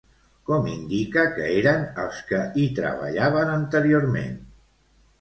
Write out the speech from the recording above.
Com indica que eren els qui hi treballaven anteriorment?